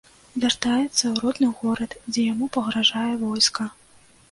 Вяртаецца ў родны горад, дзе яму пагражае войска.